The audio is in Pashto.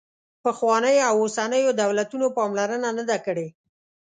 پخوانیو او اوسنیو دولتونو پاملرنه نه ده کړې.